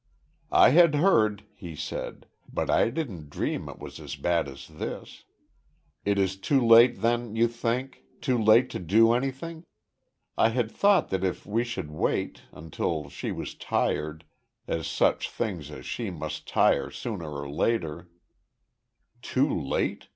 "I had heard," he said. "But I didn't dream it was as bad as this.... It is too late, then, you think too late to do anything? I had thought that if we should wait until she was tired as such as she must tire sooner or later " "Too late?"